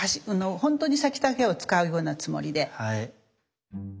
本当に先だけを使うようなつもりで。